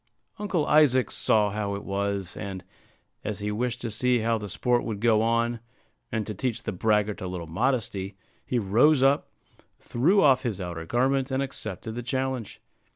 Uncle Isaac saw how it was; and, as he wished to see how the sport would go on, and to teach the braggart a little modesty, he rose up, threw off his outer garment, and accepted the challenge.